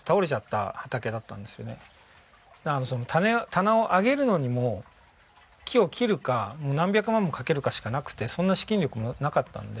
棚を上げるのにも木を切るか何百万もかけるかしかなくてそんな資金力もなかったんで。